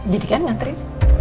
jadi kan ngantri